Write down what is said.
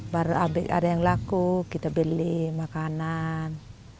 baru ada yang laku kita beli makanan